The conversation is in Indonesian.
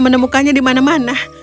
menemukannya di mana mana